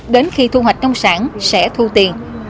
đến khi thu hoạch nông sản sẽ thu tiền